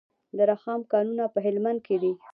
د رخام کانونه په هلمند کې دي